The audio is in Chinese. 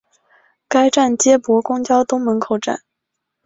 该站接驳公交东门口站。